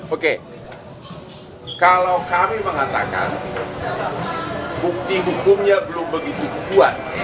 oke kalau kami mengatakan bukti hukumnya belum begitu kuat